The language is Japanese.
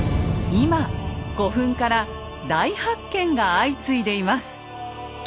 今古墳から大発見が相次いでいます。